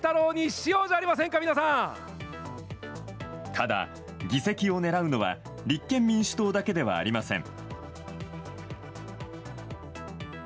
ただ、議席を狙うのは立憲民主党だけではありません。